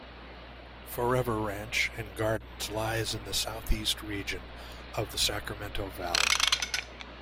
Forever Ranch and Gardens lies in the southeast region of the Sacramento Valley.